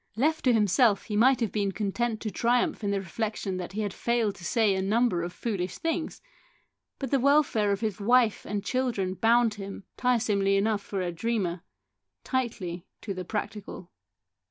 Left to himself he might have been content to triumph in the reflection that he had failed to say a number of foolish things, but the welfare of his wife and children bound him, tiresomely enough for a dreamer, tightly to the practical.